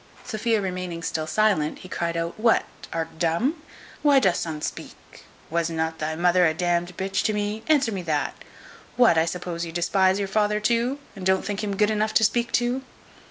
Sophia remaining still silent, he cryed out, "What, art dumb? why dost unt speak? Was not thy mother a d d b to me? answer me that. What, I suppose you despise your father too, and don't think him good enough to speak to?"